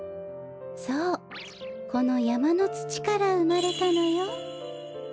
そうこのやまのつちからうまれたのよ。